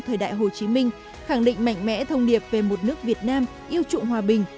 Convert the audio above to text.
thời đại hồ chí minh khẳng định mạnh mẽ thông điệp về một nước việt nam yêu trụng hòa bình